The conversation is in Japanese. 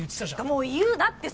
もう言うなって！